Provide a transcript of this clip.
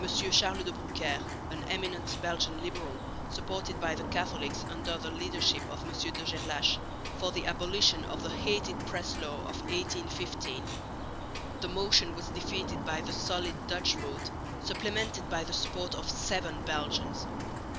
Charles de Broukère, an eminent Belgian liberal supported by the Catholics under the leadership of M. de Gerlache, for the abolition of the hated Press Law of 1815. The motion was defeated by the solid Dutch vote, supplemented by the support of seven Belgians.